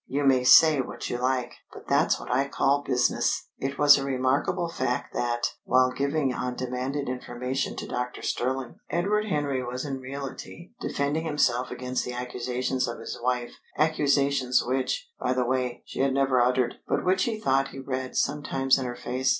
You may say what you like, but that's what I call business!" It was a remarkable fact that, while giving undemanded information to Doctor Stirling, Edward Henry was in reality defending himself against the accusations of his wife accusations which, by the way, she had never uttered, but which he thought he read sometimes in her face.